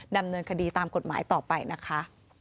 ดำเนินคดีตามกฎหมายต่อไปนะคะ